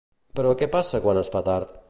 Però què passa quan es fa tard?